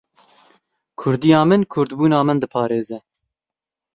Kurdiya min kurdbûna min diparêze.